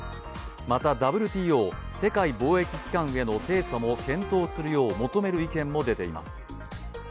またＷＴＯ＝世界貿易機関への提訴も検討するよう求める意見も出ています。